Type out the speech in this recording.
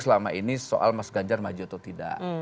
selama ini soal mas ganjar maju atau tidak